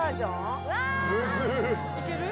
・いける？